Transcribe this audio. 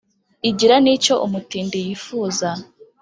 igira n’icyo umutindi yifuza,